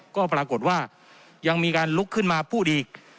ก็ปรากฏว่ายังมีการลุกขึ้นมาพูดอีก